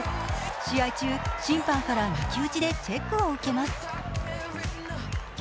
試合中、審判から抜き打ちでチェックを受けます。